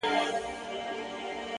نن داخبره درلېږمه تاته؛